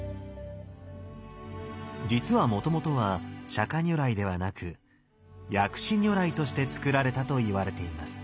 実はもともとは釈如来ではなく薬師如来として造られたといわれています。